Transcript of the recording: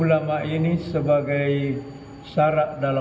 melambangkan empat buah tiang yang berdiri